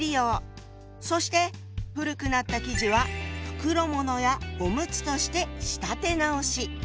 そして古くなった生地は袋ものやおむつとして仕立て直し。